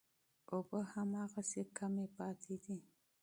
اوبه هماغسې کمې پاتې دي.